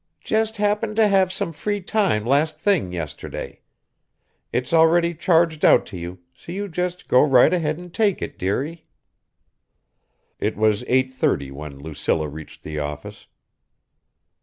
"Just happened to have some free time last thing yesterday. It's already charged out to you, so you just go right ahead and take it, dearie." It was 8:30 when Lucilla reached the office.